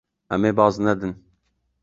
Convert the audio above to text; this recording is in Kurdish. Em ê baz nedin.